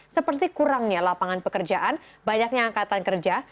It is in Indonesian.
seperti kurangnya lapangan pekerjaan banyaknya angkatan kerja